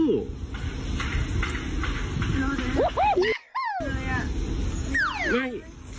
นั่นไง